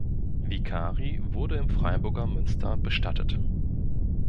Vicari wurde im Freiburger Münster bestattet.